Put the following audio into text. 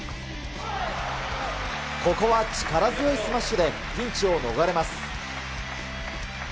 ここは力強いスマッシュで、ピンチを逃れます。